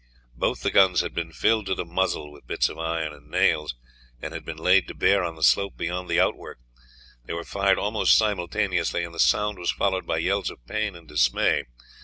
Both the guns had been filled to the muzzle with bits of iron and nails, and had been laid to bear on the slope beyond the outwork. They were fired almost simultaneously, and the sound was followed by yells of pain and dismay.